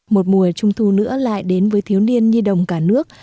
một mùa trung thu nữa lại đến với thiếu niên nhi đồng cả nước